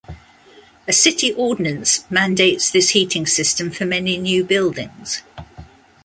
A city ordinance mandates this heating system for many new buildings.